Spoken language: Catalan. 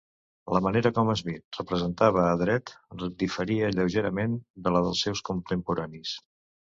La manera com Smith representava a Dredd diferia lleugerament de la dels seus contemporanis.